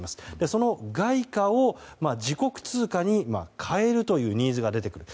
その外貨を自国通貨に替えるというニーズが出てくる。